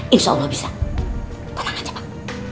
insya allah bisa tolong aja pak